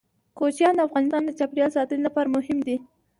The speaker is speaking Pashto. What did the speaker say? کوچیان د افغانستان د چاپیریال ساتنې لپاره مهم دي.